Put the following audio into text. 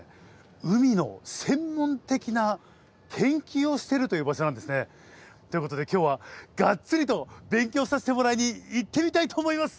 海の専門的な研究をしているという場所なんですね。ということで今日はがっつりと勉強させてもらいに行ってみたいと思います。